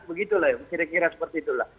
begitulah yang kira kira seperti itulah